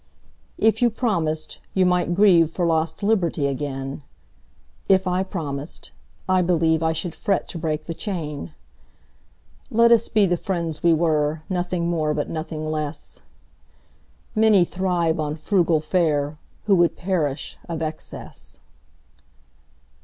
If you promised, you might grieveFor lost liberty again:If I promised, I believeI should fret to break the chain. Let us be the friends we were, Nothing more but nothing less:Many thrive on frugal fareWho would perish of excess.